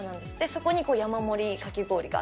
そこに山盛りかき氷があって。